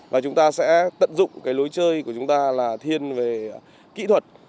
và chúng ta sẽ tận dụng cái lối chơi của chúng ta là thiên về kỹ thuật